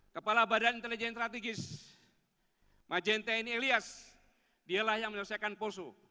kepala badan intelijen strategis majente ini elias dialah yang menyelesaikan polso